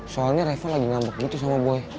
soalnya reva lagi ngambek gitu sama boy